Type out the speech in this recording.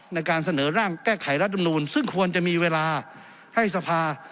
ในการเสนอร่างแก้ไขรัฐมนูลซึ่งควรจะมีเวลาให้สภา